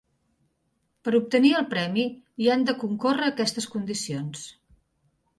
Per a obtenir el premi, hi han de concórrer aquestes condicions.